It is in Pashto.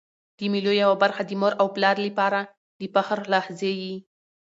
د مېلو یوه برخه د مور او پلار له پاره د فخر لحظې يي.